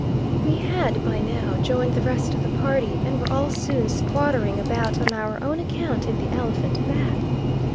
We had by now joined the rest of the party, and were all soon squattering about on our own account in the elephant bath.